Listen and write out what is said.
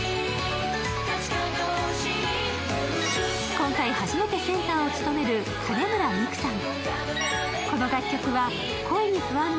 今回初めてセンターを務める金村美玖さん。